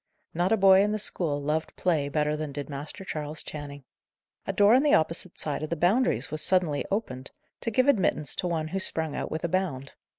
Not a boy in the school loved play better than did Master Charles Channing. A door on the opposite side of the Boundaries was suddenly opened, to give admittance to one who sprung out with a bound.